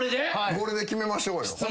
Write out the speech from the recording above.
これで決めましょうよ。